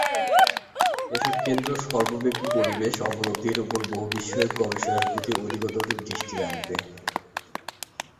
এসব কেন্দ্র সর্বব্যাপী পরিবেশ অবনতির ওপর বহুবিষয়ক গবেষণার প্রতি অধিকতর দৃষ্টি রাখবে।